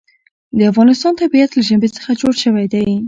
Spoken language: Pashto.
د افغانستان طبیعت له ژبې څخه جوړ شوی دی.